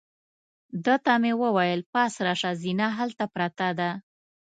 ده ته مې وویل: پاس راشه، زینه هلته پرته ده.